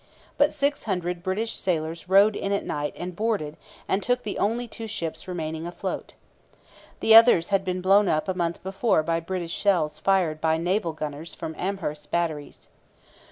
But six hundred British sailors rowed in at night and boarded and took the only two ships remaining afloat. The others had been blown up a month before by British shells fired by naval gunners from Amherst's batteries.